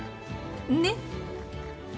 ねっ。